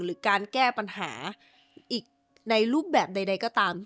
หรือการแก้ปัญหาอีกในรูปแบบใดก็ตาม